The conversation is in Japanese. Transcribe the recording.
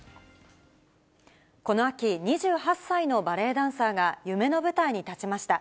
この秋、２８歳のバレエダンサーが、夢の舞台に立ちました。